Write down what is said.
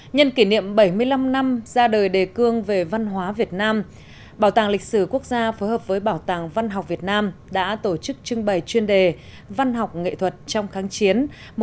nhân kỷ niệm bảy mươi năm năm ra đời đề cương về văn hóa việt nam bảo tàng lịch sử quốc gia phối hợp với bảo tàng văn học việt nam đã tổ chức trưng bày chuyên đề văn học nghệ thuật trong kháng chiến một nghìn chín trăm bốn mươi năm một nghìn chín trăm năm mươi bốn